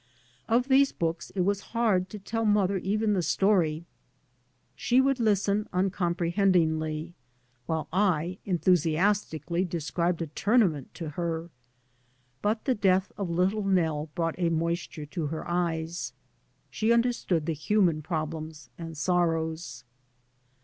Of these books it was hard to tell mother even the story. She would listen uncomprehendingly while I enthusiastically described a tournament to her. But the death of Little Nell brought a moisture to her eyes. She understood the human problems and sorrows.